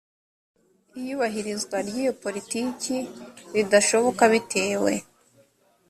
iyubahirizwa ry iyo politiki ridashoboka bitewe